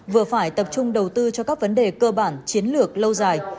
vừa phải tập trung đầu tư cho các vấn đề cơ bản chiến lược lâu dài